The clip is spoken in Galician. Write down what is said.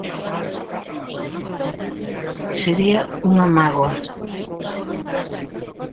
Sería unha mágoa